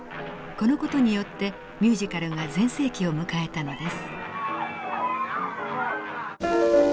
この事によってミュージカルが全盛期を迎えたのです。